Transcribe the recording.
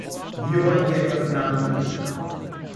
Hier wollen wir etwas nachlegen.